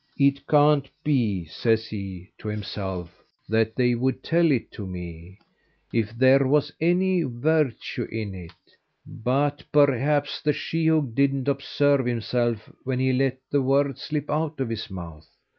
"It can't be," says he to himself, "that they would tell it to me, if there was any virtue in it; but perhaps the sheehogue didn't observe himself when he let the word slip out of his mouth.